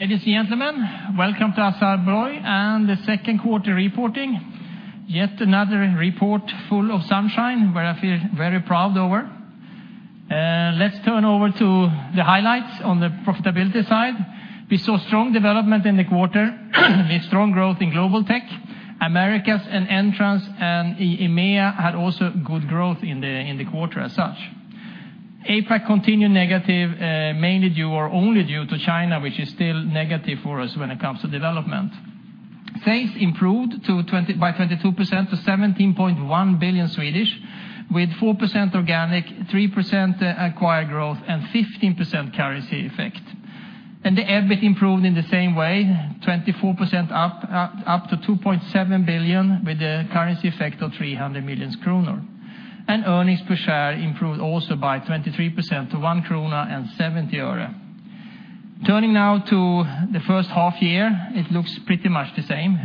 Ladies and gentlemen, welcome to Assa Abloy and the second quarter reporting. Yet another report full of sunshine where I feel very proud over. Let's turn over to the highlights on the profitability side. We saw strong development in the quarter with strong growth in Global Tech, Americas, and Entrance, and EMEA had also good growth in the quarter as such. APAC continued negative, mainly due, or only due to China, which is still negative for us when it comes to development. Sales improved by 22% to 17.1 billion, with 4% organic, 3% acquired growth, and 15% currency effect. The EBIT improved in the same way, 24% up to 2.7 billion, with a currency effect of 300 million kronor. Earnings per share improved also by 22% to SEK 1.70. Turning now to the first half year, it looks pretty much the same.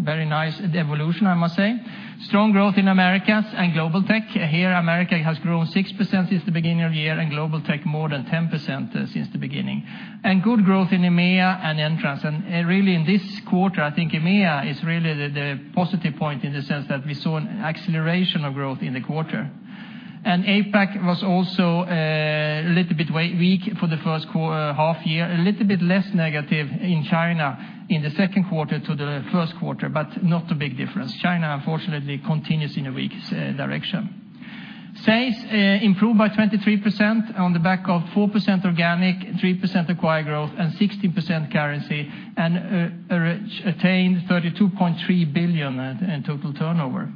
Very nice evolution, I must say. Strong growth in Americas and Global Tech. Here, Americas has grown 6% since the beginning of the year, and Global Tech more than 10% since the beginning. Good growth in EMEA and Entrance. Really in this quarter, I think EMEA is really the positive point in the sense that we saw an acceleration of growth in the quarter. APAC was also a little bit weak for the first half year, a little bit less negative in China in the second quarter to the first quarter, but not a big difference. China, unfortunately, continues in a weak direction. Sales improved by 23% on the back of 4% organic, 3% acquired growth, and 16% currency, and attained 32.3 billion in total turnover.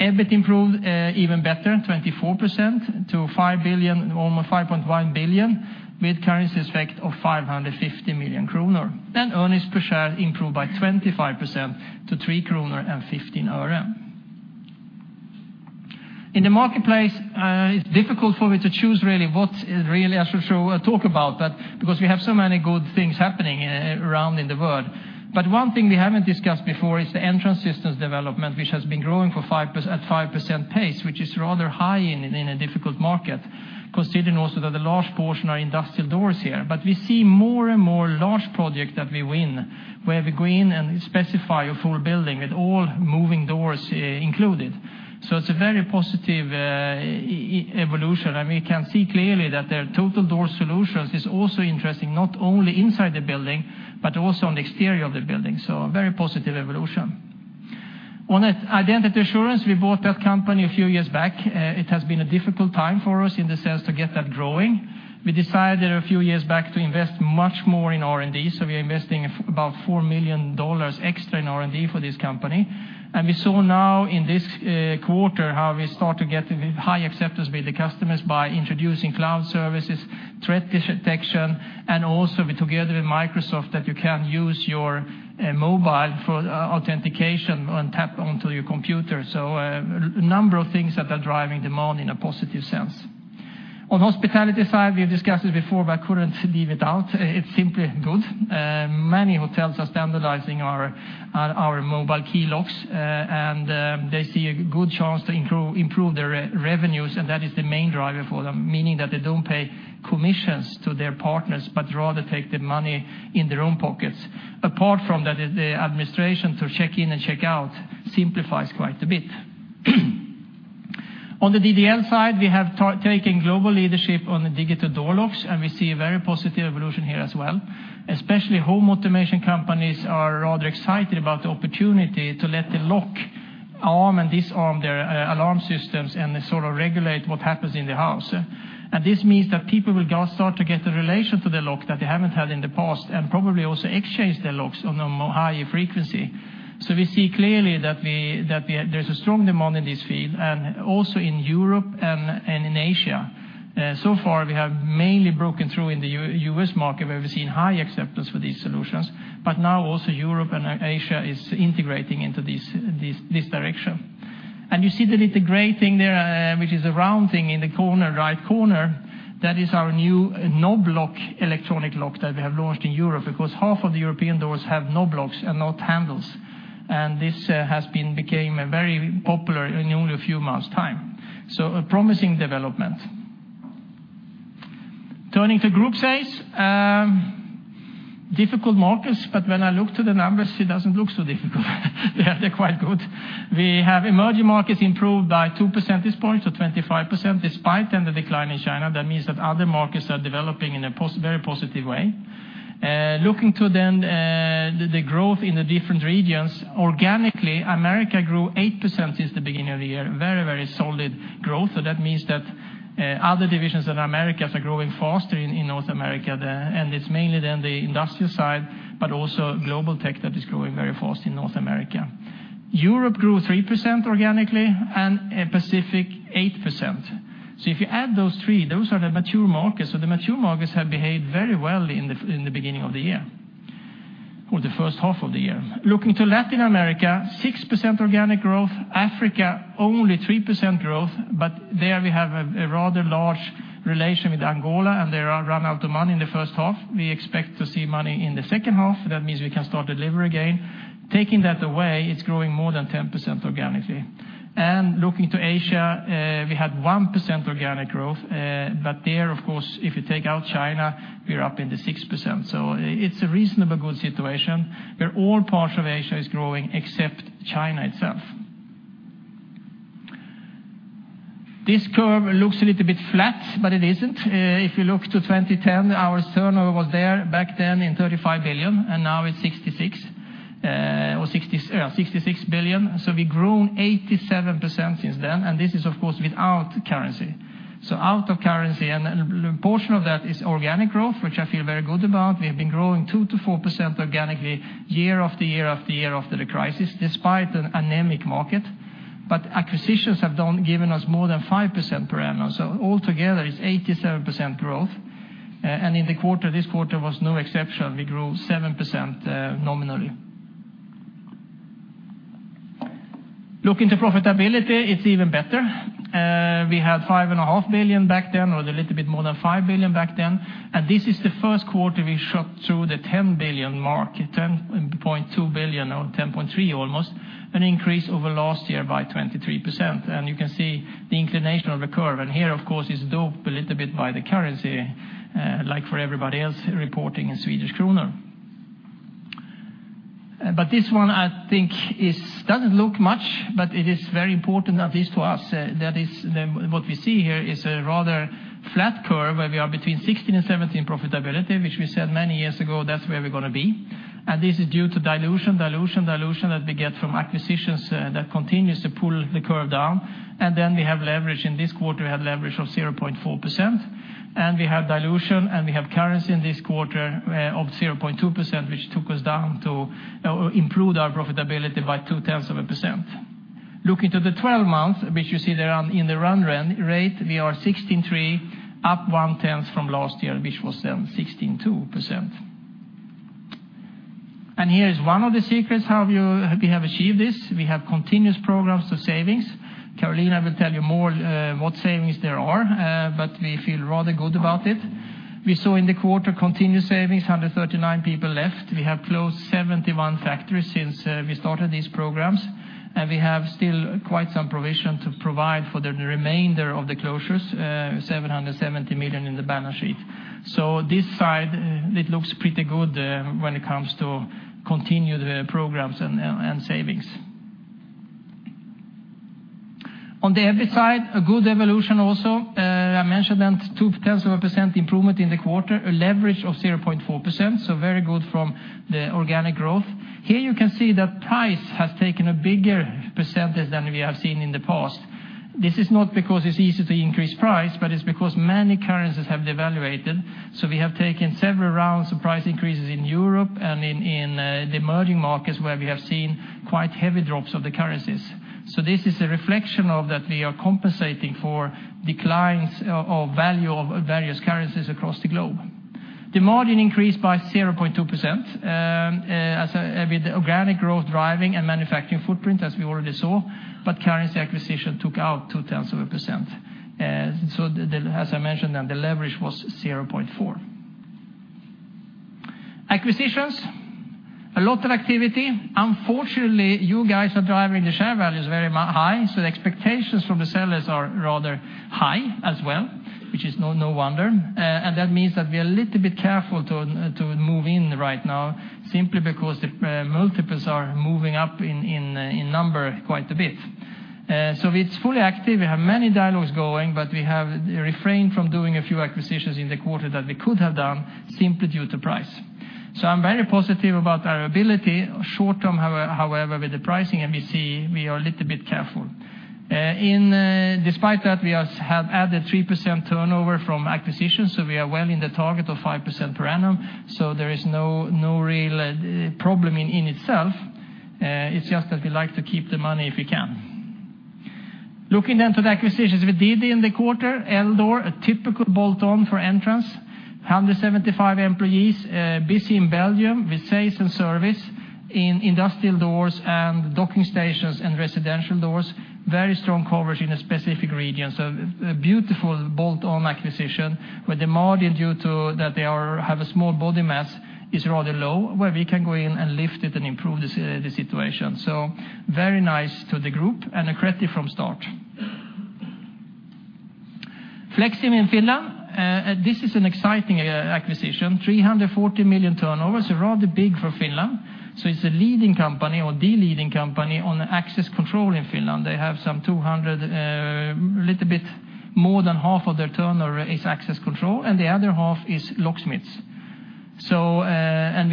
EBIT improved even better, 24% to almost 5.1 billion, with currency effect of 550 million kronor. Earnings per share improved by 25% to 3.15 kronor. In the marketplace, it's difficult for me to choose really what I should talk about, because we have so many good things happening around in the world. One thing we haven't discussed before is the Entrance Systems development, which has been growing at 5% pace, which is rather high in a difficult market, considering also that a large portion are industrial doors here. We see more and more large projects that we win, where we go in and specify a full building with all moving doors included. It's a very positive evolution, and we can see clearly that their total door solutions is also interesting, not only inside the building, but also on the exterior of the building. A very positive evolution. On Identity Assurance, we bought that company a few years back. It has been a difficult time for us in the sense to get that growing. We decided a few years back to invest much more in R&D, we are investing about $4 million extra in R&D for this company. We saw now in this quarter how we start to get high acceptance with the customers by introducing cloud services, threat detection, and also together with Microsoft, that you can use your mobile for authentication and tap onto your computer. A number of things that are driving demand in a positive sense. On hospitality side, we have discussed it before, but I couldn't leave it out. It's simply good. Many hotels are standardizing our mobile key locks. They see a good chance to improve their revenues, and that is the main driver for them, meaning that they don't pay commissions to their partners, but rather take the money in their own pockets. Apart from that, the administration to check in and check out simplifies quite a bit. On the DDL side, we have taken global leadership on the digital door locks. We see a very positive evolution here as well. Especially home automation companies are rather excited about the opportunity to let the lock arm and disarm their alarm systems and sort of regulate what happens in the house. This means that people will start to get a relation to the lock that they haven't had in the past and probably also exchange their locks on a higher frequency. We see clearly that there's a strong demand in this field and also in Europe and in Asia. Far, we have mainly broken through in the U.S. market, where we've seen high acceptance for these solutions, but now also Europe and Asia is integrating into this direction. You see the little gray thing there, which is the round thing in the right corner. That is our new knob lock electronic lock that we have launched in Europe, because half of the European doors have knob locks and not handles. This has became very popular in only a few months' time. A promising development. Turning to group sales, difficult markets, but when I look to the numbers, it doesn't look so difficult. They're quite good. We have emerging markets improved by 2% this point, 25%, despite then the decline in China. That means that other markets are developing in a very positive way. Looking to then the growth in the different regions, organically, Americas grew 8% since the beginning of the year. Very solid growth. That means that other divisions in Americas are growing faster in North America, and it's mainly then the industrial side, but also Global Tech that is growing very fast in North America. Europe grew 3% organically. Pacific 8%. If you add those three, those are the mature markets. The mature markets have behaved very well in the beginning of the year, or the first half of the year. Looking to Latin America, 6% organic growth. Africa, only 3% growth, but there we have a rather large relation with Angola. They run out of money in the first half. We expect to see money in the second half. That means we can start delivery again. Taking that away, it's growing more than 10% organically. Looking to Asia, we had 1% organic growth. There, of course, if you take out China, we're up into 6%. It's a reasonably good situation, where all parts of Asia is growing except China itself. This curve looks a little bit flat, but it isn't. If you look to 2010, our turnover was there back then in 35 billion, and now it's 66 billion. We've grown 87% since then, and this is of course, without currency. Out of currency, and a portion of that is organic growth, which I feel very good about. We have been growing 2%-4% organically year after year after the crisis, despite an anemic market. Acquisitions have given us more than 5% per annum. Altogether, it's 87% growth. In the quarter, this quarter was no exception. We grew 7% nominally. Looking to profitability, it's even better. We had 5.5 billion back then, or a little bit more than 5 billion back then. This is the first quarter we shot through the 10 billion mark, 10.2 billion or 10.3 almost, an increase over last year by 23%. You can see the inclination of the curve. Here, of course, is doped a little bit by the currency, like for everybody else, reporting in Swedish krona. This one I think doesn't look much, but it is very important, at least to us. What we see here is a rather flat curve, where we are between 16% and 17% profitability, which we said many years ago, that's where we're going to be. This is due to dilution that we get from acquisitions that continues to pull the curve down. We have leverage. In this quarter, we had leverage of 0.4%, and we have dilution, and we have currency in this quarter of 0.2%, which improved our profitability by two tenths of a percent. Looking to the 12 months, which you see there in the run rate, we are 16.3%, up one-tenth from last year, which was then 16.2%. Here is one of the secrets how we have achieved this. We have continuous programs to savings. Carolina will tell you more what savings there are, but we feel rather good about it. We saw in the quarter continued savings, 139 people left. We have closed 71 factories since we started these programs, and we have still quite some provision to provide for the remainder of the closures, 770 million in the balance sheet. This side, it looks pretty good when it comes to continued programs and savings. On the other side, a good evolution also. I mentioned that two-tenths of a percent improvement in the quarter, a leverage of 0.4%, very good from the organic growth. Here you can see that price has taken a bigger percentage than we have seen in the past. This is not because it's easy to increase price, it's because many currencies have devaluated. We have taken several rounds of price increases in Europe and in the emerging markets where we have seen quite heavy drops of the currencies. This is a reflection of that we are compensating for declines of value of various currencies across the globe. The margin increased by 0.2%, with organic growth driving and manufacturing footprint, as we already saw, currency acquisition took out two-tenths of a percent. As I mentioned, the leverage was 0.4%. Acquisitions, a lot of activity. Unfortunately, you guys are driving the share values very high, the expectations from the sellers are rather high as well, which is no wonder. That means that we are a little bit careful to move in right now simply because the multiples are moving up in number quite a bit. It's fully active. We have many dialogues going, we have refrained from doing a few acquisitions in the quarter that we could have done simply due to price. I'm very positive about our ability. Short-term, however, with the pricing, we are a little bit careful. Despite that, we have added 3% turnover from acquisitions, so we are well in the target of 5% per annum. There is no real problem in itself. It's just that we like to keep the money if we can. Looking to the acquisitions we did in the quarter, L-Door, a typical bolt-on for Entrance Systems, 175 employees, busy in Belgium with sales and service in industrial doors and docking stations and residential doors. Very strong coverage in a specific region. A beautiful bolt-on acquisition with the margin due to that they have a small body mass is rather low, where we can go in and lift it and improve the situation. Very nice to the group and accretive from start. Flexim in Finland, this is an exciting acquisition. 340 million turnover, rather big for Finland. It's the leading company on access control in Finland. A little bit more than half of their turnover is access control, and the other half is locksmiths. We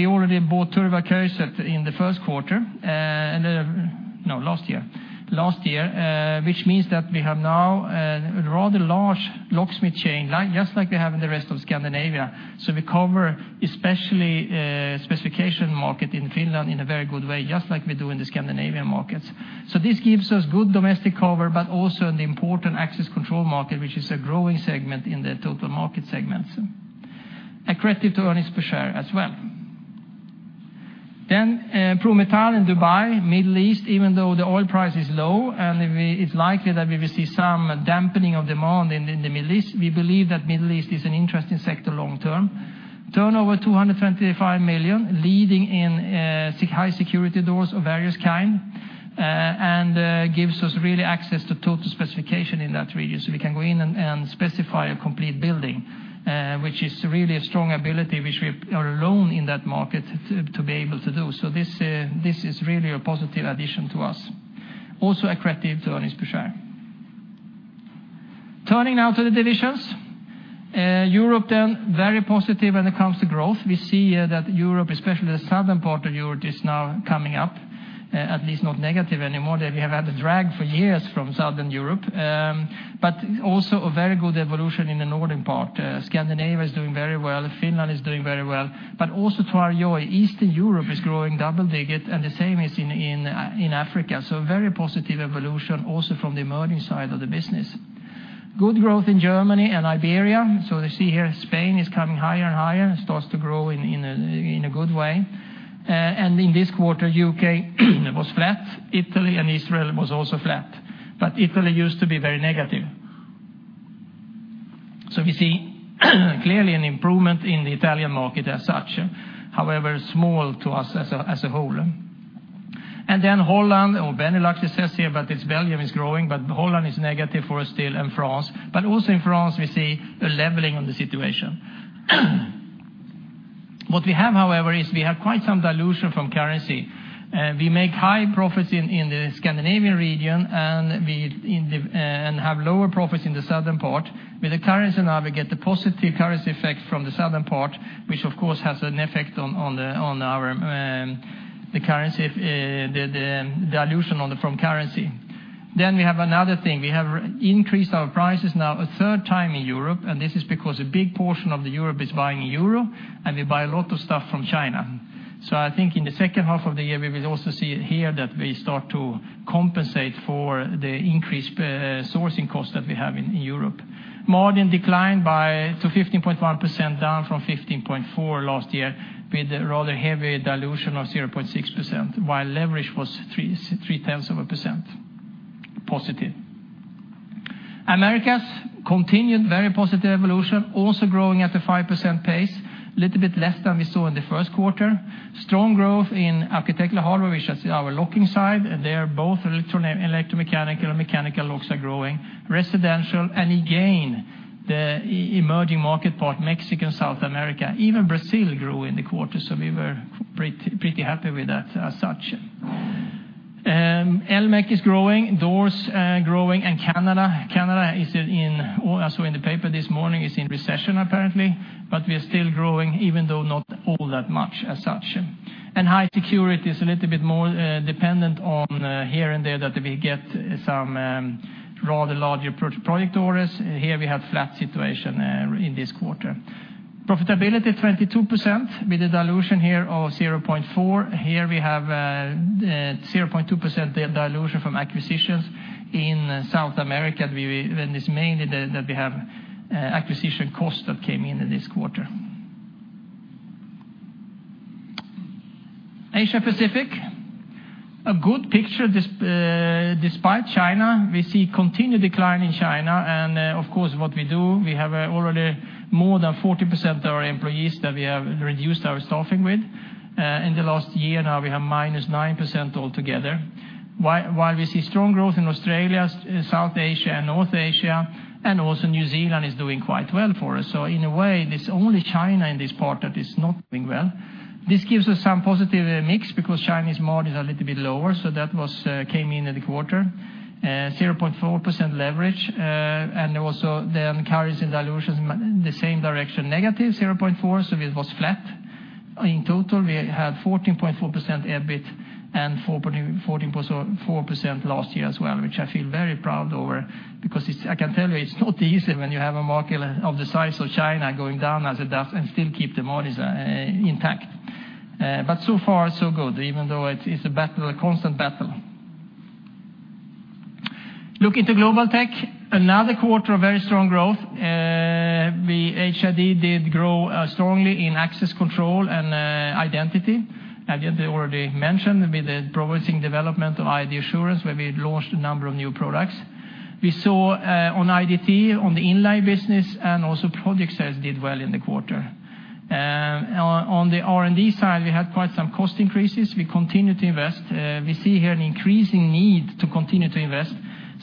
already bought Turvaykköset in the first quarter, no, last year. Which means that we have now a rather large locksmith chain, just like we have in the rest of Scandinavia. We cover especially specification market in Finland in a very good way, just like we do in the Scandinavian markets. This gives us good domestic cover, but also in the important access control market, which is a growing segment in the total market segments. Accretive to earnings per share as well. Prometal in Dubai, Middle East, even though the oil price is low, it's likely that we will see some dampening of demand in the Middle East, we believe that Middle East is an interesting sector long term. Turnover 225 million, leading in high-security doors of various kind, gives us really access to total specification in that region. We can go in and specify a complete building, which is really a strong ability, which we are alone in that market to be able to do. This is really a positive addition to us. Also accretive to earnings per share. Turning now to the divisions. Europe, very positive when it comes to growth. We see here that Europe, especially the southern part of Europe, is now coming up, at least not negative anymore. We have had a drag for years from Southern Europe, also a very good evolution in the northern part. Scandinavia is doing very well, Finland is doing very well, also to our joy, Eastern Europe is growing double digit, the same is in Africa. Very positive evolution also from the emerging side of the business. Good growth in Germany and Iberia. You see here Spain is coming higher and higher, starts to grow in a good way. In this quarter, U.K. was flat. Italy and Israel was also flat, but Italy used to be very negative. We see clearly an improvement in the Italian market as such, however small to us as a whole. Holland or Benelux, it says here, but it's Belgium is growing, but Holland is negative for us still and France. Also in France we see a leveling of the situation. We have, however, quite some dilution from currency. We make high profits in the Scandinavian region, and have lower profits in the southern part. With the currency now, we get the positive currency effect from the southern part, which of course has an effect on the dilution from currency. We have another thing. We have increased our prices now a third time in Europe, and this is because a big portion of the Europe is buying EUR, and we buy a lot of stuff from China. I think in the second half of the year, we will also see here that we start to compensate for the increased sourcing cost that we have in Europe. Margin declined to 15.1%, down from 15.4% last year, with a rather heavy dilution of 0.6%, while leverage was three-tenths of a % positive. Americas continued very positive evolution, also growing at a 5% pace, a little bit less than we saw in the first quarter. Strong growth in architectural hardware, which is our locking side, and there both electromechanical and mechanical locks are growing. Residential, and again, the emerging market part, Mexico and South America. Even Brazil grew in the quarter, so we were pretty happy with that as such. Elmech is growing, doors growing, and Canada, I saw in the paper this morning, is in recession apparently, but we are still growing, even though not all that much as such. High security is a little bit more dependent on here and there that we get some rather larger project orders. Here we have flat situation in this quarter. Profitability of 23% with a dilution here of 0.4%. We have 0.2% dilution from acquisitions in South America, and it's mainly that we have acquisition costs that came in this quarter. Asia Pacific, a good picture despite China. We see continued decline in China, and of course, what we do, we have already more than 40% of our employees that we have reduced our staffing with in the last year. Now we have -9% altogether. While we see strong growth in Australia, South Asia, and North Asia, and also New Zealand is doing quite well for us. In a way, it's only China in this part that is not doing well. This gives us some positive mix because China's margin is a little bit lower, so that came in in the quarter. 0.4% leverage, also the currency dilution in the same direction, -0.4%, so it was flat. In total, we had 14.4% EBIT and 14.4% last year as well, which I feel very proud over because I can tell you it's not easy when you have a market of the size of China going down as it does and still keep the margins intact. So far so good, even though it is a constant battle. Look into Global Tech, another quarter of very strong growth. HID did grow strongly in access control and identity. I did already mention with the progressing development of ID Assurance, where we launched a number of new products. We saw on IDT, on the inline business, and also project sales did well in the quarter. On the R&D side, we had quite some cost increases. We continue to invest. We see here an increasing need to continue to invest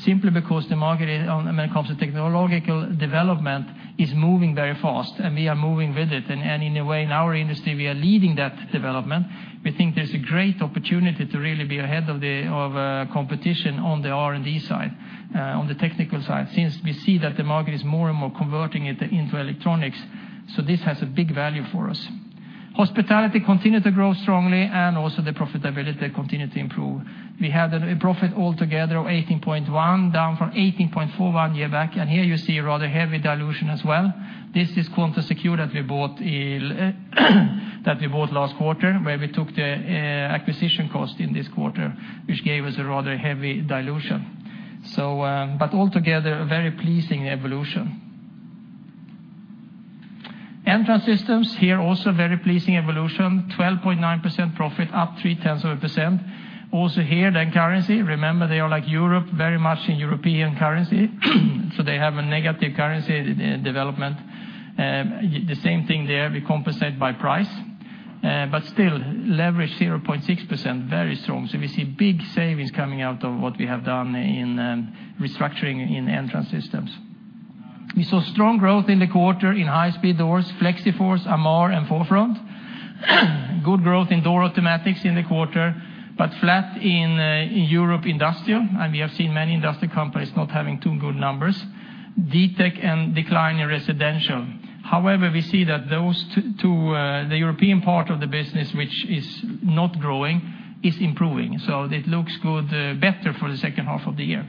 simply because the market, when it comes to technological development, is moving very fast, and we are moving with it. In a way, in our industry, we are leading that development. We think there's a great opportunity to really be ahead of competition on the R&D side, on the technical side, since we see that the market is more and more converting it into electronics. This has a big value for us. Hospitality continued to grow strongly and also the profitability continued to improve. We had a profit altogether of 18.1%, down from 18.4% one year back, and here you see a rather heavy dilution as well. This is Quantum Secure that we bought last quarter, where we took the acquisition cost in this quarter, which gave us a rather heavy dilution. Altogether, a very pleasing evolution. Entrance Systems here also very pleasing evolution, 12.9% profit, up three-tenths of a percent. Here, the currency. Remember, they are like Europe, very much in European currency, they have a negative currency development. The same thing there, we compensate by price. Still, leverage 0.6%, very strong. We see big savings coming out of what we have done in restructuring in Entrance Systems. We saw strong growth in the quarter in high-speed doors, FlexiForce, Amarr, and 4Front. Good growth in door automatics in the quarter, but flat in Europe industrial, and we have seen many industrial companies not having too good numbers. Ditec and decline in residential. However, we see that those two, the European part of the business, which is not growing, is improving. It looks better for the second half of the year.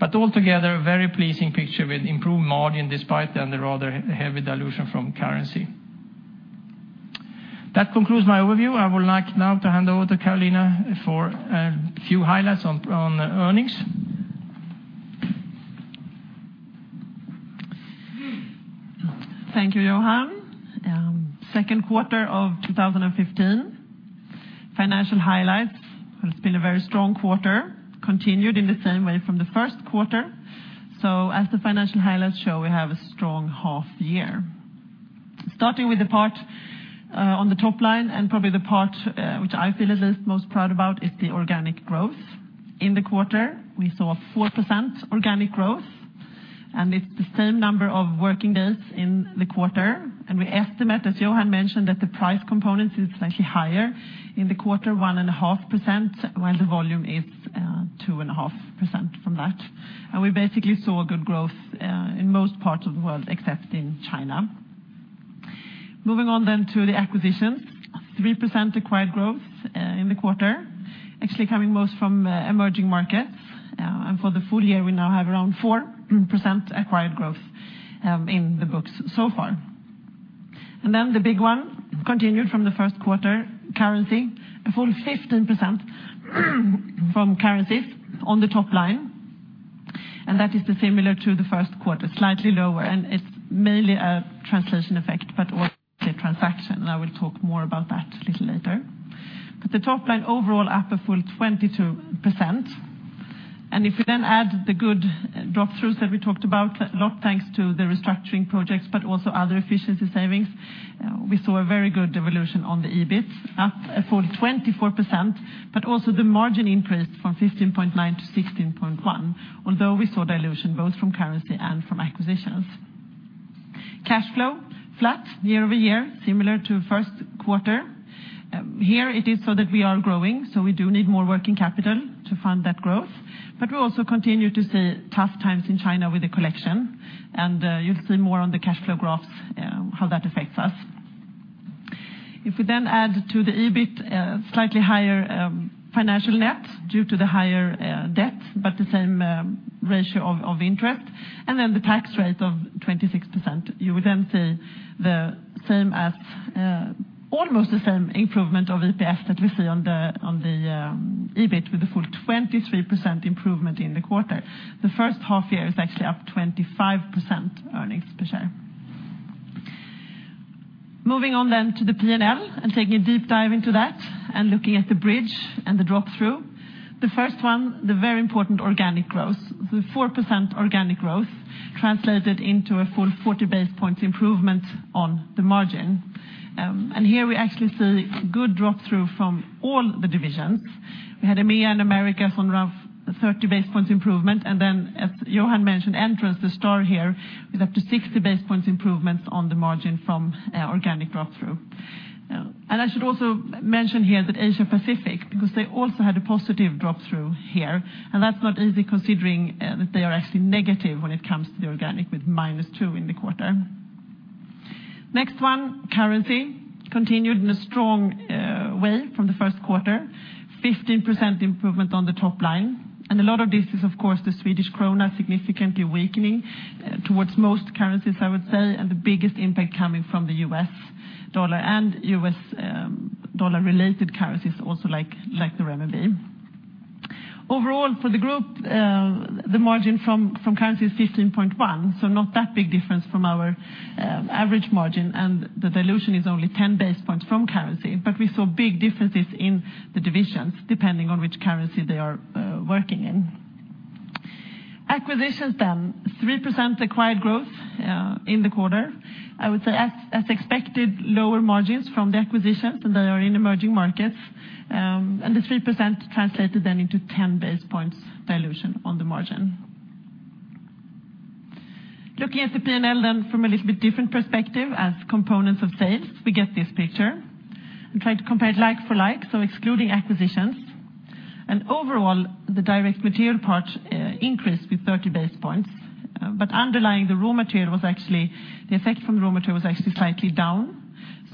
Altogether, very pleasing picture with improved margin despite the rather heavy dilution from currency. That concludes my overview. I would like now to hand over to Carolina for a few highlights on earnings. Thank you, Johan. Second quarter of 2015, financial highlights. It's been a very strong quarter, continued in the same way from the first quarter. As the financial highlights show, we have a strong half year. Starting with the part on the top line and probably the part which I feel at least most proud about is the organic growth. In the quarter, we saw 4% organic growth, and it's the same number of working days in the quarter. We estimate, as Johan mentioned, that the price component is slightly higher in the quarter, 1.5%, while the volume is 2.5% from that. We basically saw a good growth in most parts of the world, except in China. Moving on to the acquisitions, 3% acquired growth in the quarter, actually coming most from emerging markets. For the full year, we now have around 4% acquired growth in the books so far. The big one continued from the first quarter, currency, a full 15% from currency on the top line. That is similar to the first quarter, slightly lower, and it's mainly a translation effect, but also a transaction. I will talk more about that a little later. The top line overall up a full 22%. If we then add the good drop-throughs that we talked about a lot thanks to the restructuring projects, but also other efficiency savings, we saw a very good evolution on the EBIT, up a full 24%, but also the margin increased from 15.9% to 16.1%, although we saw dilution both from currency and from acquisitions. Cash flow, flat year-over-year, similar to first quarter. Here it is so that we are growing, we do need more working capital to fund that growth. We also continue to see tough times in China with the collection, and you'll see more on the cash flow graphs, how that affects us. If we then add to the EBIT, slightly higher financial net due to the higher debt, but the same ratio of interest, and then the tax rate of 26%, you would then see almost the same improvement of EPS that we see on the EBIT with a full 23% improvement in the quarter. The first half year is actually up 25% earnings per share. Moving on then to the P&L and taking a deep dive into that and looking at the bridge and the drop-through. The first one, the very important organic growth. The 4% organic growth translated into a full 40 basis points improvement on the margin. Here we actually see good drop-through from all the divisions. We had EMEA and Americas on around 30 basis points improvement, as Johan mentioned, Entrance, the star here, with up to 60 basis points improvements on the margin from organic drop-through. I should also mention here that Asia Pacific, because they also had a positive drop-through here, and that's not easy considering that they are actually negative when it comes to the organic with minus 2 in the quarter. Next one, currency, continued in a strong way from the first quarter, 15% improvement on the top line. A lot of this is, of course, the Swedish krona significantly weakening towards most currencies, I would say, and the biggest impact coming from the US dollar and US dollar-related currencies also like the renminbi. Overall, for the group, the margin from currency is 15.1%, not that big difference from our average margin, and the dilution is only 10 basis points from currency. We saw big differences in the divisions, depending on which currency they are working in. Acquisitions then, 3% acquired growth in the quarter. I would say as expected, lower margins from the acquisitions, and they are in emerging markets. The 3% translated then into 10 basis points dilution on the margin. Looking at the P&L then from a little bit different perspective as components of sales, we get this picture, and trying to compare like-for-like, excluding acquisitions. Overall, the direct material part increased with 30 basis points, but underlying, the effect from the raw material was actually slightly down.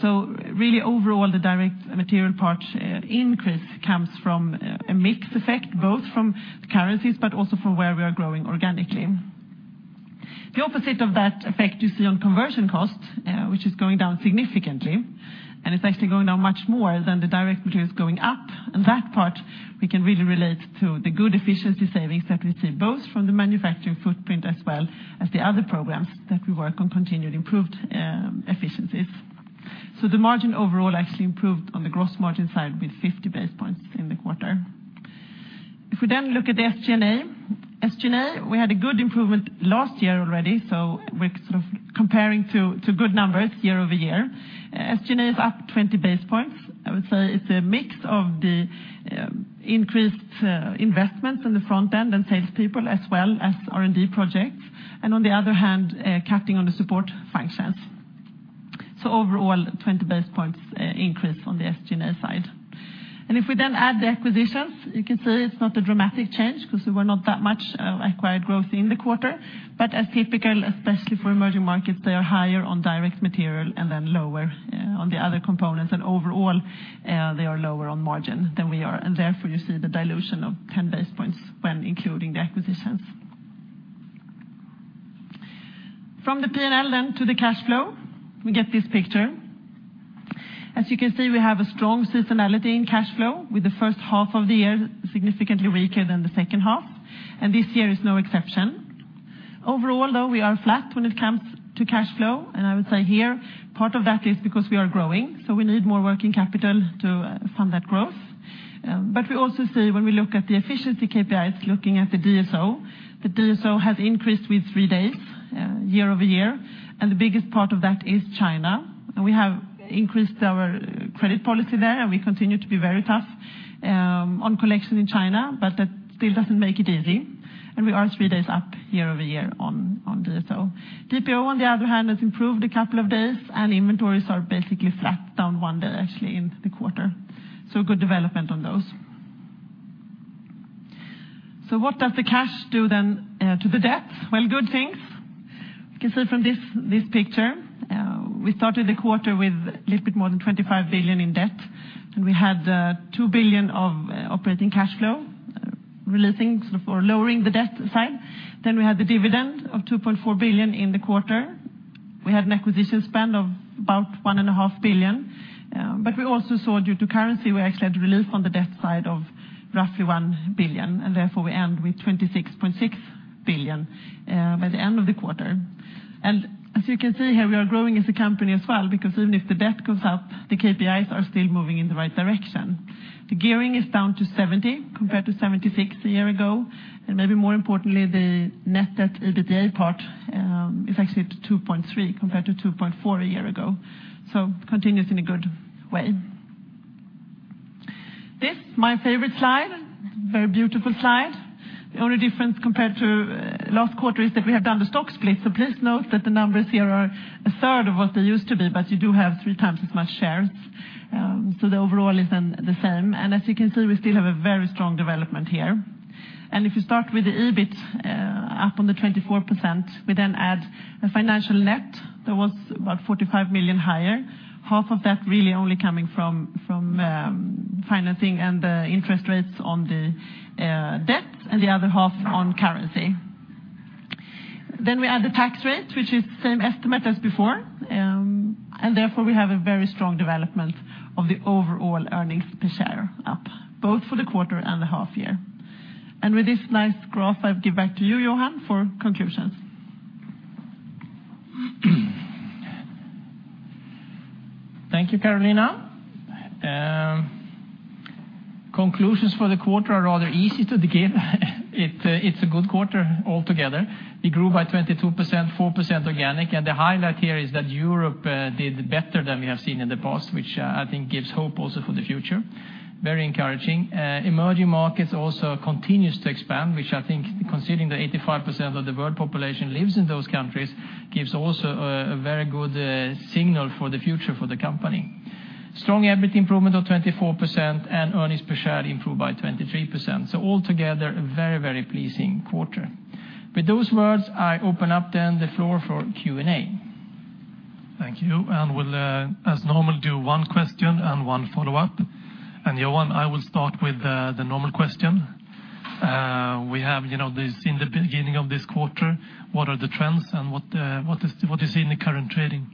Really overall, the direct material part increase comes from a mix effect, both from currencies, but also from where we are growing organically. The opposite of that effect you see on conversion cost, which is going down significantly, and it's actually going down much more than the direct material is going up. That part we can really relate to the good efficiency savings that we see both from the manufacturing footprint as well as the other programs that we work on continued improved efficiencies. The margin overall actually improved on the gross margin side with 50 basis points in the quarter. If we then look at the SG&A, we had a good improvement last year already, so we saw Comparing to good numbers year-over-year. SG&A is up 20 basis points. I would say it's a mix of the increased investments in the front end and salespeople as well as R&D projects, and on the other hand, cutting on the support functions. Overall, 20 basis points increase on the SG&A side. If we then add the acquisitions, you can see it's not a dramatic change because there were not that much acquired growth in the quarter. As typical, especially for emerging markets, they are higher on direct material and then lower on the other components. Overall, they are lower on margin than we are. Therefore, you see the dilution of 10 basis points when including the acquisitions. From the P&L to the cash flow, we get this picture. As you can see, we have a strong seasonality in cash flow with the first half of the year significantly weaker than the second half, and this year is no exception. Overall, though, we are flat when it comes to cash flow, and I would say here, part of that is because we are growing, so we need more working capital to fund that growth. We also see when we look at the efficiency KPIs, looking at the DSO, the DSO has increased with three days year-over-year, and the biggest part of that is China. We have increased our credit policy there, and we continue to be very tough on collection in China, but that still doesn't make it easy. We are three days up year-over-year on DSO. DPO, on the other hand, has improved a couple of days, and inventories are basically flat, down one day, actually, in the quarter. Good development on those. What does the cash do then to the debt? Well, good things. You can see from this picture. We started the quarter with a little bit more than 25 billion in debt, and we had 2 billion of operating cash flow releasing or lowering the debt side. We had the dividend of 2.4 billion in the quarter. We had an acquisition spend of about 1.5 billion. We also saw, due to currency, we actually had relief on the debt side of roughly 1 billion, and therefore we end with 26.6 billion by the end of the quarter. As you can see here, we are growing as a company as well, because even if the debt goes up, the KPIs are still moving in the right direction. The gearing is down to 70 compared to 76 a year ago. Maybe more importantly, the net debt EBITDA part is actually at 2.3 compared to 2.4 a year ago. Continues in a good way. This, my favorite slide, very beautiful slide. The only difference compared to last quarter is that we have done the stock split, so please note that the numbers here are a third of what they used to be, but you do have three times as much shares. Overall it's the same. As you can see, we still have a very strong development here. If you start with the EBIT up on the 24%, we add a financial net that was about 45 million higher, half of that really only coming from financing and the interest rates on the debt, and the other half on currency. We add the tax rate, which is the same estimate as before, therefore we have a very strong development of the overall earnings per share up, both for the quarter and the half year. With this nice graph, I'll give back to you, Johan, for conclusions. Thank you, Carolina. Conclusions for the quarter are rather easy to give. It's a good quarter altogether. We grew by 22%, 4% organic, and the highlight here is that Europe did better than we have seen in the past, which I think gives hope also for the future. Very encouraging. Emerging markets also continues to expand, which I think considering that 85% of the world population lives in those countries gives also a very good signal for the future for the company. Strong EBIT improvement of 24% and earnings per share improved by 23%. Altogether, a very pleasing quarter. With those words, I open up then the floor for Q&A. Thank you. We'll, as normal, do one question and one follow-up. Johan, I will start with the normal question. We have seen the beginning of this quarter, what are the trends and what do you see in the current trading?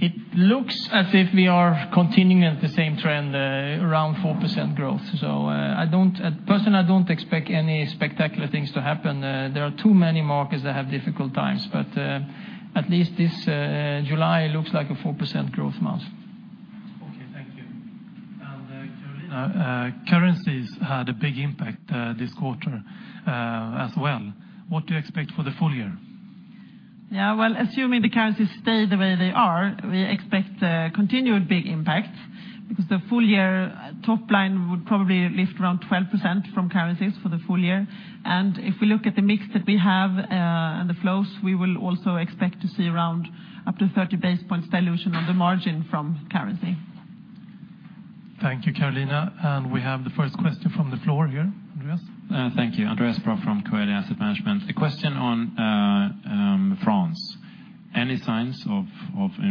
It looks as if we are continuing at the same trend, around 4% growth. Personally, I don't expect any spectacular things to happen. There are too many markets that have difficult times, but at least this July looks like a 4% growth month. Okay, thank you. Carolina, currencies had a big impact this quarter as well. What do you expect for the full year? Well, assuming the currencies stay the way they are, we expect a continued big impact because the full year top line would probably lift around 12% from currencies for the full year. If we look at the mix that we have and the flows, we will also expect to see around up to 30 basis points dilution on the margin from currency. Thank you, Carolina. We have the first question from the floor here. Andreas? Thank you. Andreas Braathen from Coeli Asset Management. A question on France. Any signs of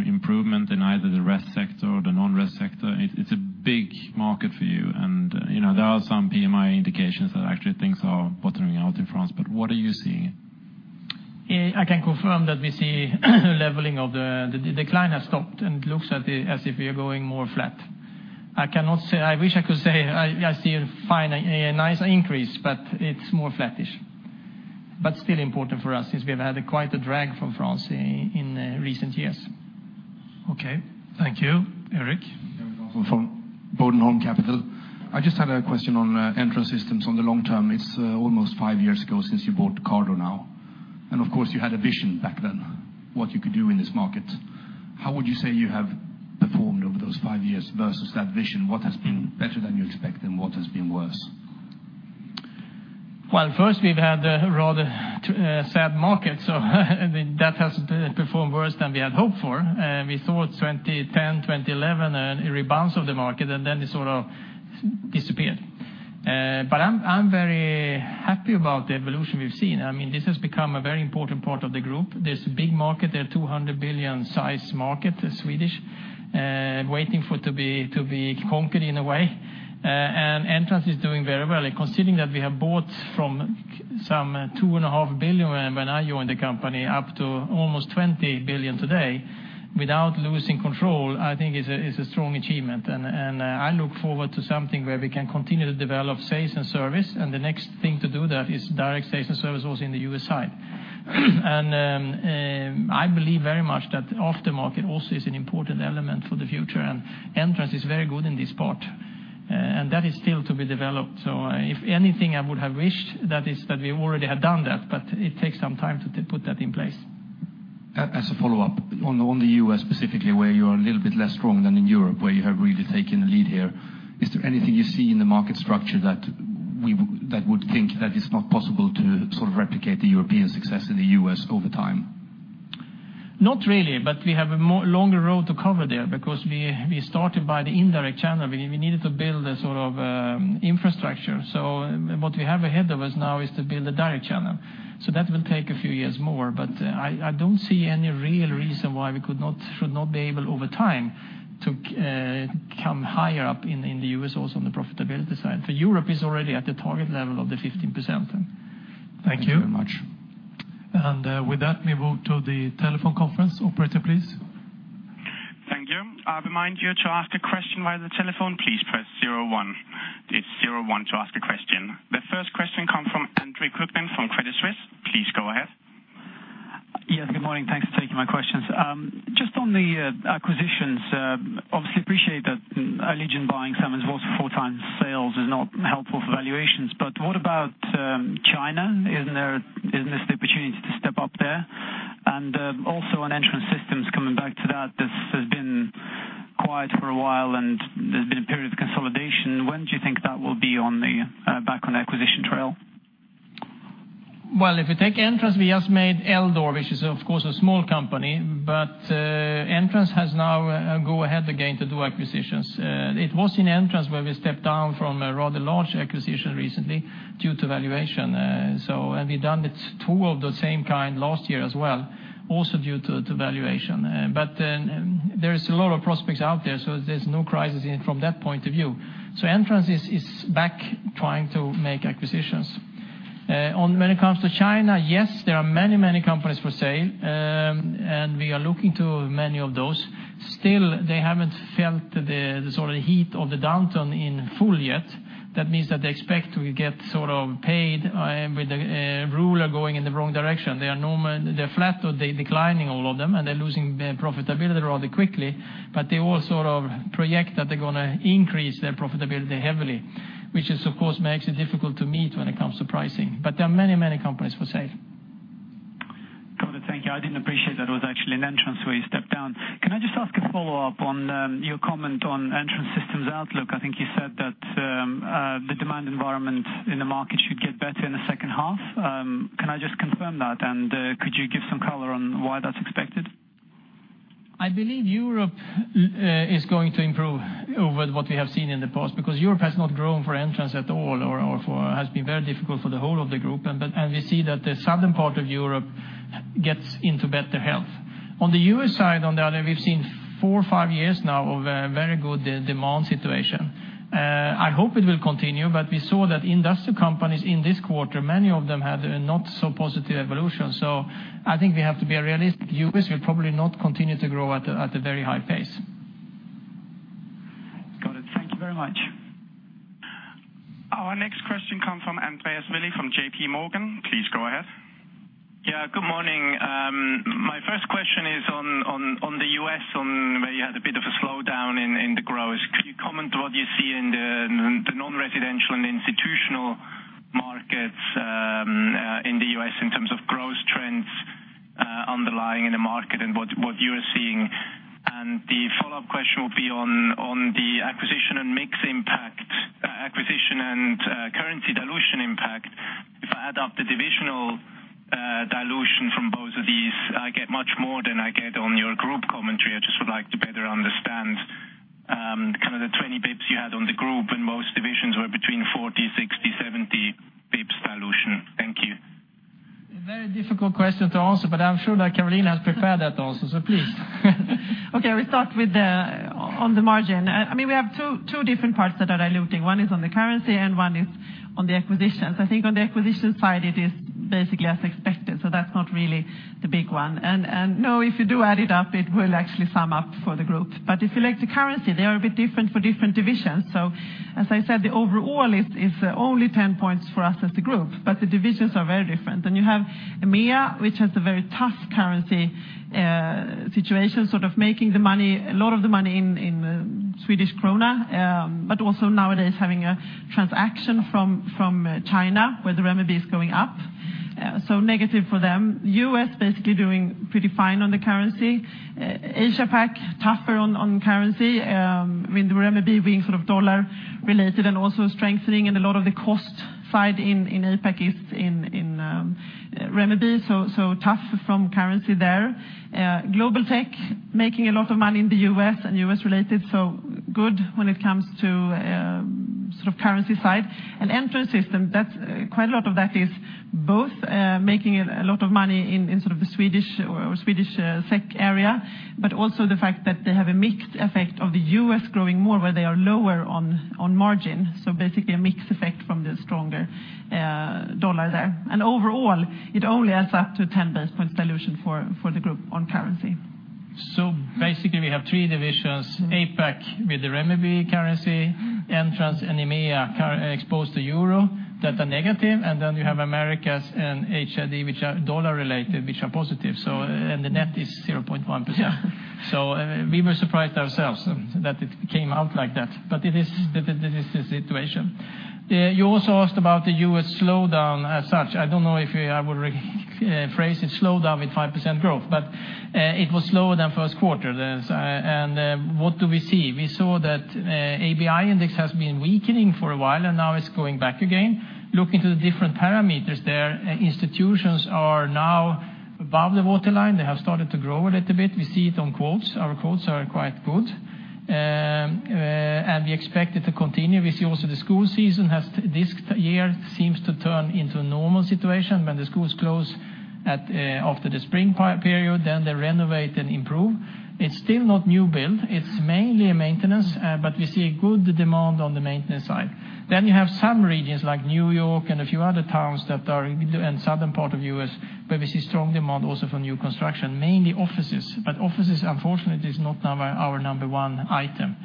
improvement in either the resi sector or the non-resi sector? It's a big market for you, and there are some PMI indications that actually things are bottoming out in France. What are you seeing? I can confirm that we see a leveling of the decline has stopped and looks as if we are going more flat. I wish I could say I see a nice increase, but it's more flattish. Still important for us as we have had quite a drag from France in recent years. Okay. Thank you. Erik? Erik Dahlström from Bodenholm Capital. I just had a question on Entrance Systems on the long term. It's almost five years ago since you bought Cardo now. Of course you had a vision back then what you could do in this market. How would you say you have performed over those five years versus that vision? What has been better than you expected, and what has been worse? First, we've had a rather sad market. That has performed worse than we had hoped for. We thought 2010, 2011, a rebalance of the market, then it sort of disappeared. I'm very happy about the evolution we've seen. This has become a very important part of the group. There's a big market there, 200 billion size market, Swedish, waiting for it to be conquered in a way. Entrance is doing very well. Considering that we have bought from some two and a half billion when I joined the company up to almost 20 billion today without losing control, I think is a strong achievement. I look forward to something where we can continue to develop sales and service, and the next thing to do there is direct sales and service also in the U.S. side. I believe very much that aftermarket also is an important element for the future. Entrance is very good in this part. That is still to be developed. If anything, I would have wished that is that we already have done that, but it takes some time to put that in place. As a follow-up, on the U.S. specifically, where you are a little bit less strong than in Europe, where you have really taken the lead here, is there anything you see in the market structure that would think that it's not possible to replicate the European success in the U.S. over time? Not really. We have a longer road to cover there because we started by the indirect channel. We needed to build a sort of infrastructure. What we have ahead of us now is to build a direct channel. That will take a few years more. I don't see any real reason why we should not be able over time to come higher up in the U.S. also on the profitability side. For Europe is already at the target level of the 15%. Thank you very much. With that, we move to the telephone conference. Operator, please. Thank you. I remind you to ask a question via the telephone, please press 01. It is 01 to ask a question. The first question come from Andre Kukhnin from Credit Suisse. Please go ahead. Yes, good morning. Thanks for taking my questions. Just on the acquisitions, obviously appreciate that Allegion buying SimonsVoss was four times sales is not helpful for valuations. What about China? Is not this the opportunity to step up there? Also on Entrance Systems, coming back to that, this has been quiet for a while and there has been a period of consolidation. When do you think that will be back on acquisition trail? If you take Entrance, we just made L-Door, which is of course a small company, Entrance has now go ahead again to do acquisitions. It was in Entrance where we stepped down from a rather large acquisition recently due to valuation. We done it two of the same kind last year as well, also due to valuation. There is a lot of prospects out there, so there's no crisis from that point of view. Entrance is back trying to make acquisitions. When it comes to China, yes, there are many companies for sale, and we are looking to many of those. Still, they haven't felt the heat of the downturn in full yet. That means that they expect to get paid with the ruler going in the wrong direction. They're flat or declining, all of them, and they're losing profitability rather quickly. They all project that they're going to increase their profitability heavily, which of course makes it difficult to meet when it comes to pricing. There are many companies for sale. Got it. Thank you. I didn't appreciate that it was actually in Entrance where you stepped down. Can I just ask a follow-up on your comment on Entrance Systems outlook? I think you said that the demand environment in the market should get better in the second half. Can I just confirm that, and could you give some color on why that's expected? I believe Europe is going to improve over what we have seen in the past because Europe has not grown for Entrance at all or has been very difficult for the whole of the group, and we see that the southern part of Europe gets into better health. On the U.S. side, on the other, we've seen four, five years now of a very good demand situation. I hope it will continue, but we saw that industrial companies in this quarter, many of them had a not so positive evolution. I think we have to be realistic. U.S. will probably not continue to grow at a very high pace. Got it. Thank you very much. Our next question come from Andreas Willi from JPMorgan. Please go ahead. Yeah. Good morning. My first question is on the U.S., on where you had a bit of a slowdown in the growth. Could you comment what you see in the non-residential and institutional markets in the U.S. in terms of growth trends underlying in the market and what you're seeing? The follow-up question will be on the acquisition and mix impact, acquisition and currency dilution impact. If I add up the divisional dilution from both of these, I get much more than I get on your group commentary. I just would like to better understand the 20 basis points you had on the group when most divisions were between 40 basis points, 60 basis points, 70 basis points A difficult question to answer, I'm sure that Carolina has prepared that answer, so please. We start on the margin. We have two different parts that are diluting. One is on the currency and one is on the acquisitions. On the acquisition side, it is basically as expected, that's not really the big one. If you do add it up, it will actually sum up for the group. If you look at the currency, they are a bit different for different divisions. As I said, the overall is only 10 points for us as a group, but the divisions are very different. You have EMEA, which has a very tough currency situation, making a lot of the money in SEK, but also nowadays having a transaction from China where the CNY is going up, negative for them. U.S. basically doing pretty fine on the currency. APAC, tougher on currency, with the CNY being USD related and also strengthening, a lot of the cost side in APAC is in CNY, tough from currency there. Global Technologies making a lot of money in the U.S. and U.S. related, good when it comes to currency side. Entrance Systems, quite a lot of that is both making a lot of money in the SEK area, but also the fact that they have a mixed effect of the U.S. growing more where they are lower on margin. Basically, a mixed effect from the stronger USD there. Overall, it only adds up to 10 basis points dilution for the group on currency. We have three divisions, APAC with the CNY currency, Entrance Systems and EMEA exposed to EUR that are negative, we have Americas and HID, which are USD related, which are positive. The net is 0.1%. Yeah. We were surprised ourselves that it came out like that is the situation. You also asked about the U.S. slowdown as such. I don't know if I would rephrase it, slowdown with 5% growth, it was slower than first quarter. What do we see? We saw that ABI index has been weakening for a while, it's going back again. Looking to the different parameters there, institutions are now above the waterline. They have started to grow a little bit. We see it on quotes. Our quotes are quite good, we expect it to continue. We see also the school season this year seems to turn into a normal situation when the schools close after the spring period, they renovate and improve. It's still not new build, it's mainly maintenance, we see a good demand on the maintenance side. You have some regions like New York and a few other towns and southern part of U.S. where we see strong demand also for new construction, mainly offices. Offices, unfortunately, is not our number 1 item.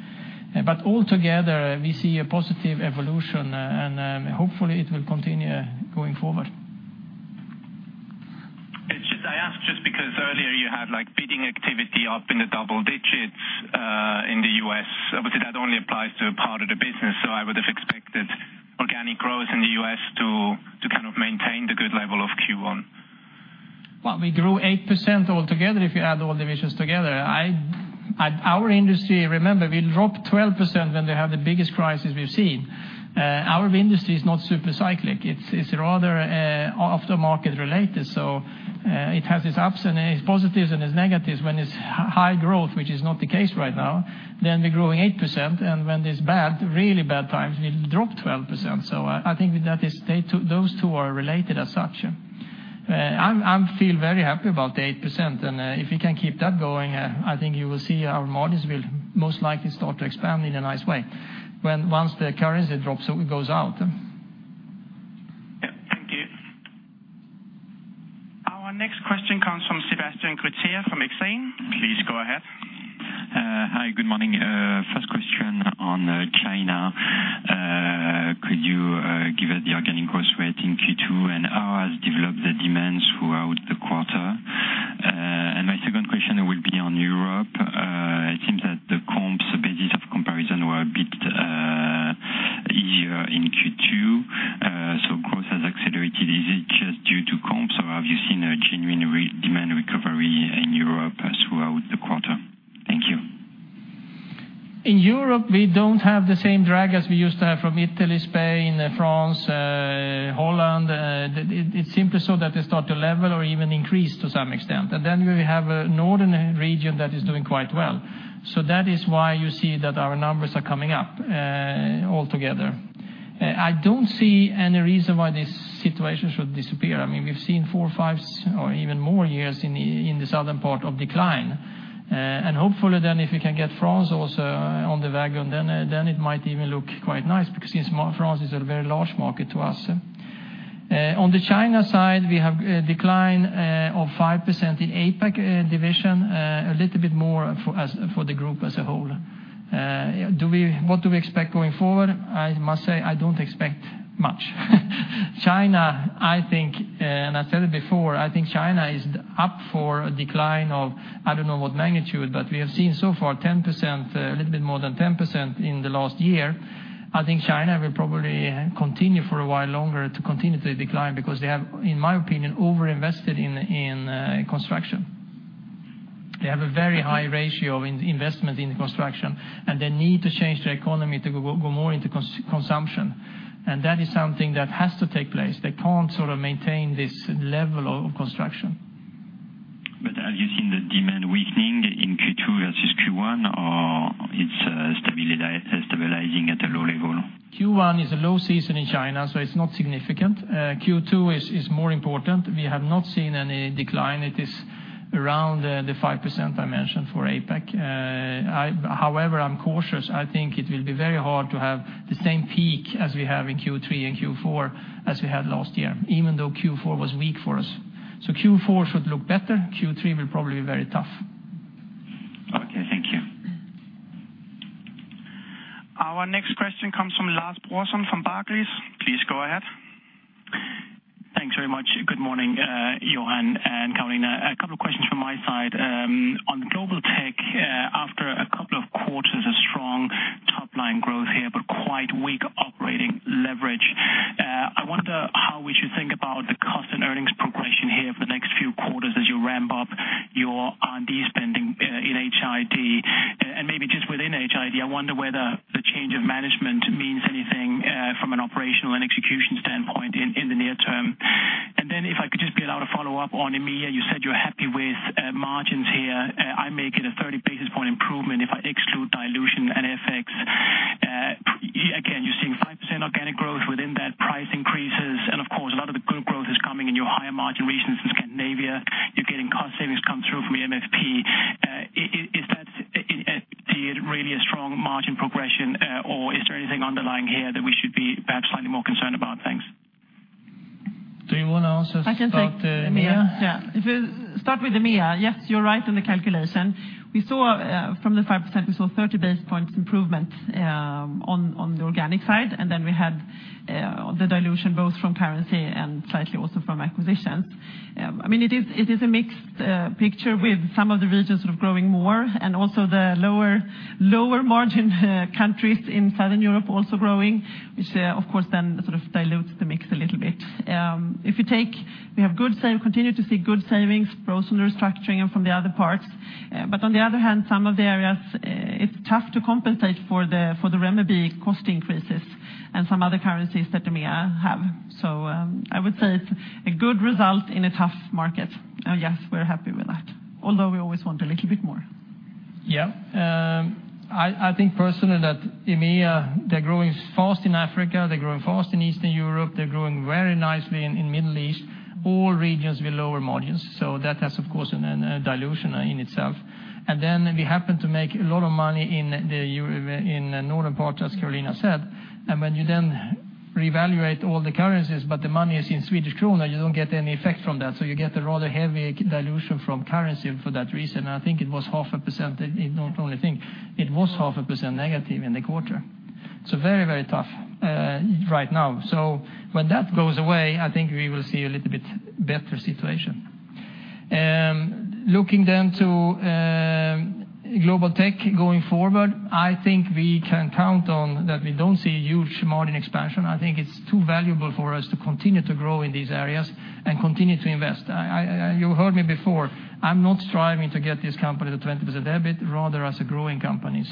Altogether, we see a positive evolution, and hopefully it will continue going forward. I asked just because earlier you had bidding activity up in the double digits in the U.S. Obviously, that only applies to a part of the business, so I would have expected organic growth in the U.S. to maintain the good level of Q1. We grew 8% altogether, if you add all divisions together. Our industry, remember, we dropped 12% when we had the biggest crisis we've seen. Our industry is not super cyclic. It's rather after market related. It has its ups and its positives and its negatives. When it's high growth, which is not the case right now, then we're growing 8%, and when it's really bad times, we drop 12%. I think those two are related as such. I feel very happy about the 8%, and if we can keep that going, I think you will see our margins will most likely start to expand in a nice way once the currency drops, so it goes out. Yeah. Thank you. Our next question comes from Sebastien Grezier from Exane. Please go ahead. Hi, good morning. First question on China. Could you give us the organic growth rate in Q2, and how has developed the demands throughout the quarter? My second question will be on Europe. It seems that the comps basis of comparison were a bit easier in Q2, growth has accelerated. Is it just due to comps, or have you seen a genuine demand recovery in Europe throughout the quarter? Thank you. In Europe, we don't have the same drag as we used to have from Italy, Spain, France, Holland. It's simply so that they start to level or even increase to some extent. Then we have a northern region that is doing quite well. That is why you see that our numbers are coming up altogether. I don't see any reason why this situation should disappear. We've seen four or five or even more years in the southern part of decline. Hopefully then if we can get France also on the wagon, then it might even look quite nice because France is a very large market to us. On the China side, we have a decline of 5% in APAC division, a little bit more for the group as a whole. What do we expect going forward? I must say, I don't expect much. China, I think, I said it before, I think China is up for a decline of, I don't know what magnitude, but we have seen so far a little bit more than 10% in the last year. I think China will probably continue for a while longer to continue to decline because they have, in my opinion, over-invested in construction. They have a very high ratio of investment in construction, they need to change their economy to go more into consumption, that is something that has to take place. They can't maintain this level of construction Have you seen the demand weakening in Q2 versus Q1, or it's stabilizing at a low level? Q1 is a low season in China. It's not significant. Q2 is more important. We have not seen any decline. It is around the 5% I mentioned for APAC. I'm cautious. I think it will be very hard to have the same peak as we have in Q3 and Q4 as we had last year, even though Q4 was weak for us. Q4 should look better. Q3 will probably be very tough. Okay, thank you. Our next question comes from Lars Brorsson from Barclays. Please go ahead. Thanks very much. Good morning, Johan and Carolina. A couple of questions from my side. On Global Tech, after a couple of quarters of strong top-line growth here, but quite weak operating leverage. I wonder how we should think about the cost and earnings progression here for the next few quarters as you ramp up your R&D spending in HID. Maybe just within HID, I wonder whether the change of management means anything from an operational and execution standpoint in the near term. Then, if I could just be allowed to follow up on EMEA, you said you're happy with margins here. I make it a 30 basis point improvement if I exclude dilution and FX. Again, you're seeing 5% organic growth within that price increases. Of course, a lot of the good growth is coming in your higher margin regions in Scandinavia. You're getting cost savings come through from MSP. Is that really a strong margin progression or is there anything underlying here that we should be perhaps slightly more concerned about? Thanks. Do you want to answer about- I can take- -EMEA? Yeah. If we start with EMEA, yes, you're right in the calculation. From the 5%, we saw 30 basis points improvement on the organic side, and then we had the dilution both from currency and slightly also from acquisitions. It is a mixed picture with some of the regions growing more and also the lower margin countries in Southern Europe also growing, which of course then sort of dilutes the mix a little bit. We continue to see good savings, both from the restructuring and from the other parts. On the other hand, some of the areas, it's tough to compensate for the renminbi cost increases and some other currencies that EMEA have. I would say it's a good result in a tough market. Yes, we're happy with that, although we always want a little bit more. Yeah. I think personally that EMEA, they're growing fast in Africa, they're growing fast in Eastern Europe, they're growing very nicely in Middle East, all regions with lower margins. That has, of course, a dilution in itself. Then we happen to make a lot of money in the northern part, as Carolina said. When you then revaluate all the currencies, but the money is in SEK, you don't get any effect from that. You get a rather heavy dilution from currency for that reason. I think it was 0.5%, I don't normally think. It was 0.5% negative in the quarter. Very tough right now. When that goes away, I think we will see a little bit better situation. Looking to Global Tech going forward, I think we can count on that we don't see huge margin expansion. I think it's too valuable for us to continue to grow in these areas and continue to invest. You heard me before, I'm not striving to get this company to 20% EBIT, rather as a growing company.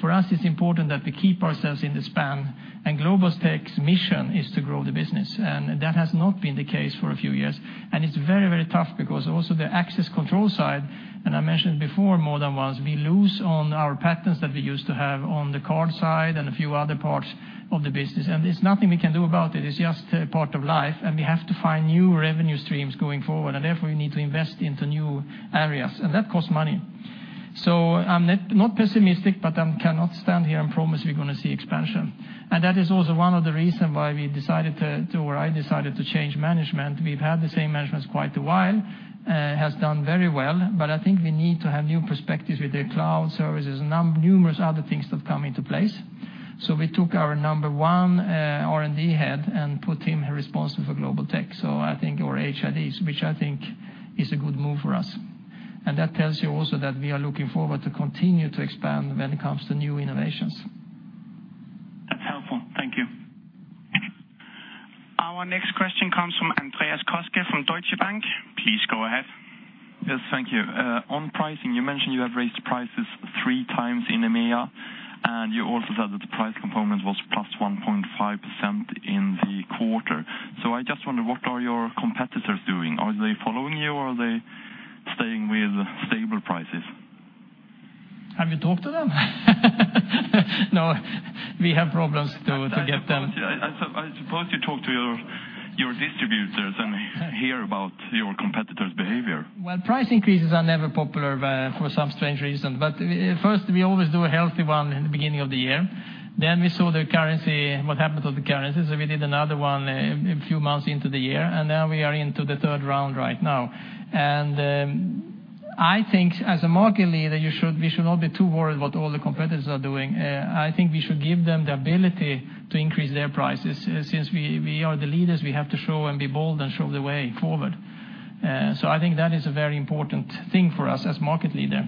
For us, it's important that we keep ourselves in the span, and Global Tech's mission is to grow the business. That has not been the case for a few years, and it's very tough because also the access control side, and I mentioned before more than once, we lose on our patents that we used to have on the card side and a few other parts of the business. There's nothing we can do about it's just a part of life, and we have to find new revenue streams going forward, and therefore we need to invest into new areas, and that costs money. I'm not pessimistic, but I cannot stand here and promise we're going to see expansion. That is also one of the reason why I decided to change management. We've had the same management quite a while, has done very well, but I think we need to have new perspectives with the cloud services, numerous other things that come into place. We took our number 1 R&D head and put him responsible for Global Tech, or HID, which I think is a good move for us. That tells you also that we are looking forward to continue to expand when it comes to new innovations. That's helpful. Thank you. Our next question comes from Andreas Koski from Deutsche Bank. Please go ahead. Yes, thank you. On pricing, you mentioned you have raised prices three times in EMEA, and you also said that the price component was plus 1.5% in the quarter. I just wonder, what are your competitors doing? Are they following you or are they staying with stable prices? Have you talked to them? No, we have problems to get them. I suppose you talk to your distributors and hear about your competitors' behavior. Well, price increases are never popular for some strange reason. First, we always do a healthy one in the beginning of the year. We saw what happened to the currencies, so we did another one a few months into the year, now we are into the third round right now. I think as a market leader, we should not be too worried what all the competitors are doing. I think we should give them the ability to increase their prices. Since we are the leaders, we have to show and be bold and show the way forward. I think that is a very important thing for us as market leader.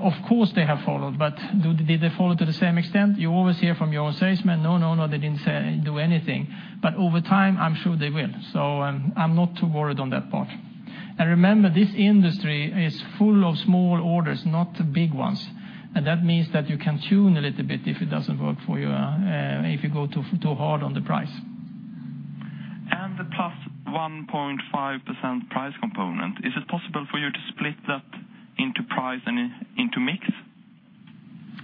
Of course, they have followed, but did they follow to the same extent? You always hear from your salesman, "No, they didn't do anything." Over time, I'm sure they will. I'm not too worried on that part. Remember, this industry is full of small orders, not big ones. That means that you can tune a little bit if it doesn't work for you, if you go too hard on the price. The plus 1.5% price component, is it possible for you to split that into price and into mix?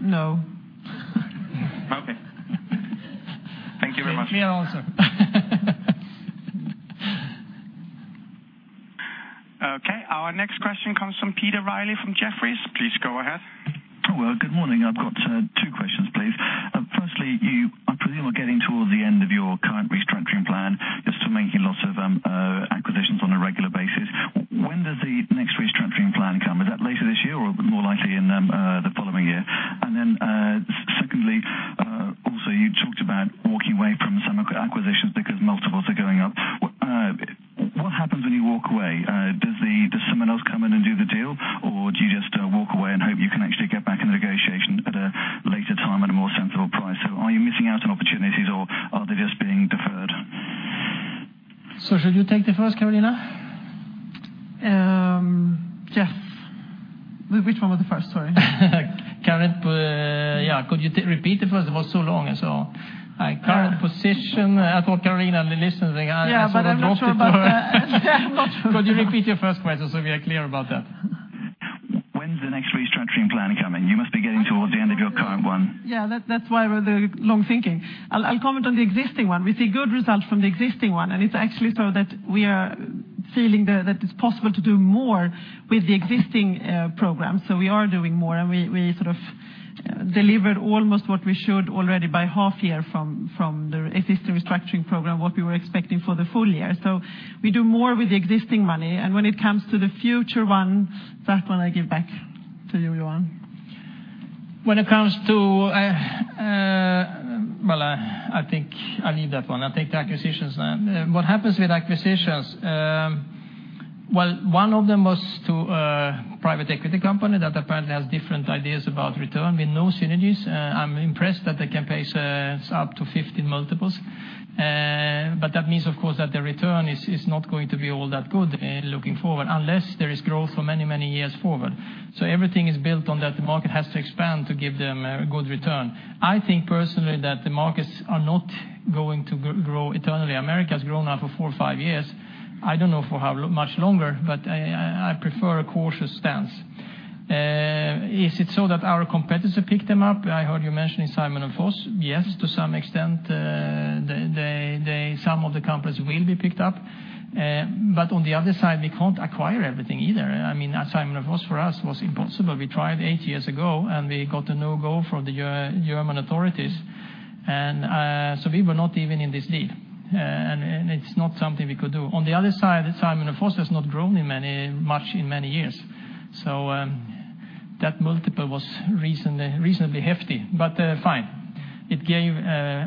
No. Okay. Thank you very much. Clear answer. Okay, our next question comes from Peter Riley from Jefferies. Please go ahead. Well, good morning. I've got two questions, please. Firstly, I presume you're getting towards the end of your current restructuring plan, just still making lots of acquisitions on a regular basis. When does the next restructuring plan come? Is that later this year or more likely in the following year? Secondly, also, you talked about walking away from some acquisitions because multiples are going up. What happens when you walk away? Does someone else come in and do the delivered almost what we should already by half-year from the existing restructuring program, what we were expecting for the full year. We do more with the existing money, when it comes to the future one, that one I give back to you, Johan. Well, I think I leave that one. I'll take the acquisitions. What happens with acquisitions? Well, one of them was to a private equity company that apparently has different ideas about return with no synergies. I'm impressed that they can pay up to 15 multiples. That means, of course, that the return is not going to be all that good looking forward, unless there is growth for many years forward. Everything is built on that the market has to expand to give them a good return. I think personally that the markets are not going to grow eternally. Americas grown now for four or five years. I don't know for how much longer, but I prefer a cautious stance. Is it so that our competitor picked them up? I heard you mentioning SimonsVoss. Yes, to some extent, some of the companies will be picked up. On the other side, we can't acquire everything either. SimonsVoss for us was impossible. We tried eight years ago, we got a no-go from the German authorities. We were not even in this deal. It's not something we could do. On the other side, SimonsVoss has not grown much in many years. That multiple was reasonably hefty, but fine. It gave,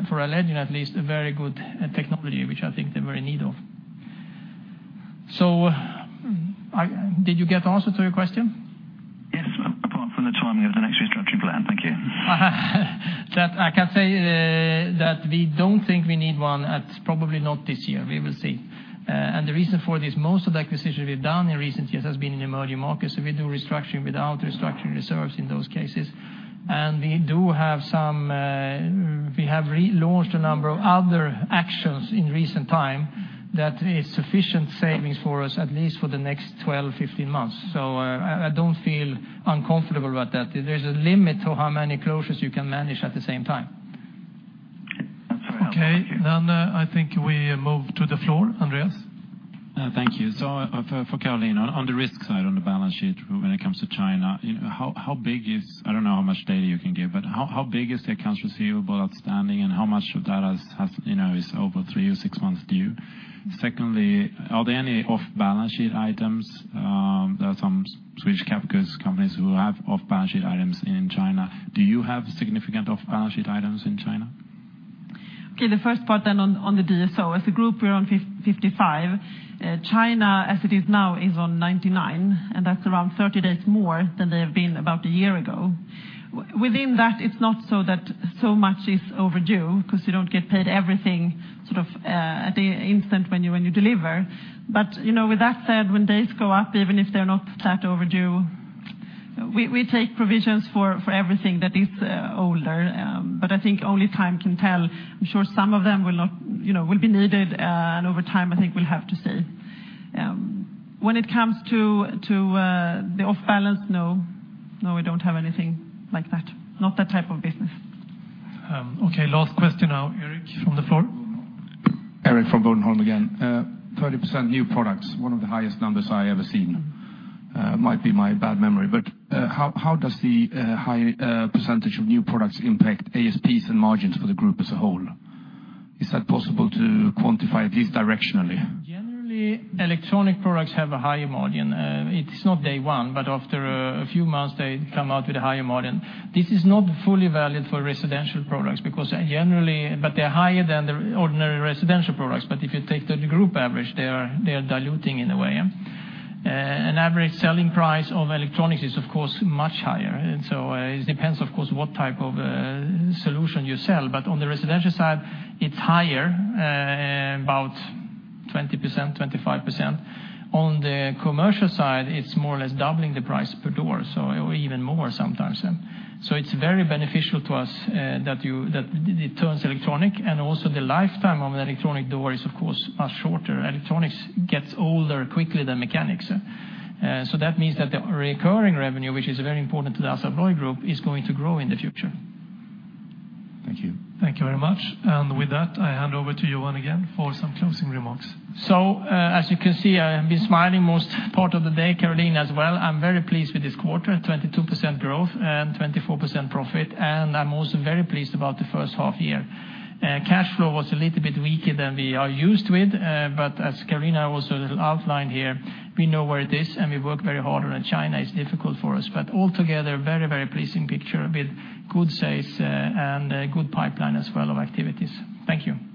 for Allegion at least, a very good technology, which I think they're very in need of. Did you get the answer to your question? Yes, apart from the timing of the next restructuring plan. Thank you. That I can say that we don't think we need one at probably not this year. We will see. The reason for this, most of the acquisitions we've done in recent years has been in emerging markets, so we do restructuring without restructuring reserves in those cases. We have relaunched a number of other actions in recent time that is sufficient savings for us, at least for the next 12, 15 months. I don't feel uncomfortable about that. There's a limit to how many closures you can manage at the same time. That's very helpful. Thank you. Okay, I think we move to the floor. Andreas? Thank you. For Carolina, on the risk side, on the balance sheet, when it comes to China, I don't know how much data you can give, but how big is the accounts receivable outstanding, and how much of that is over three or six months due? Secondly, are there any off-balance sheet items? There are some Swedish companies who have off-balance sheet items in China. Do you have significant off-balance sheet items in China? Okay, the first part on the DSO. As a group, we're on 55. China, as it is now, is on 99, and that's around 30 days more than they have been about one year ago. Within that, it's not so that so much is overdue because you don't get paid everything sort of at the instant when you deliver. With that said, when days go up, even if they're not that overdue, we take provisions for everything that is older. I think only time can tell. I'm sure some of them will be needed, and over time, I think we'll have to see. When it comes to the off-balance, no. No, we don't have anything like that, not that type of business. Okay, last question now, Erik, from the floor. Erik from Bodenholm again. 30% new products, one of the highest numbers I ever seen. Might be my bad memory, how does the high percentage of new products impact ASPs and margins for the group as a whole? Is that possible to quantify, at least directionally? Generally, electronic products have a higher margin. It's not day one, but after a few months, they come out with a higher margin. This is not fully valid for residential products, but they're higher than the ordinary residential products. If you take the group average, they are diluting in a way. An average selling price of electronics is, of course, much higher, it depends, of course, what type of solution you sell. On the residential side, it's higher, about 20%-25%. On the commercial side, it's more or less doubling the price per door, or even more sometimes. It's very beneficial to us that it turns electronic, and also the lifetime of an electronic door is, of course, much shorter. Electronics gets older quickly than mechanics. That means that the recurring revenue, which is very important to the Assa Abloy group, is going to grow in the future. Thank you. Thank you very much. With that, I hand over to Johan again for some closing remarks. As you can see, I have been smiling most part of the day, Carolina as well. I'm very pleased with this quarter, 22% growth and 24% profit, I'm also very pleased about the first half year. Cash flow was a little bit weaker than we are used with, as Carolina also outlined here, we know where it is, we work very hard, China is difficult for us. Altogether, very pleasing picture with good sales and a good pipeline as well of activities. Thank you.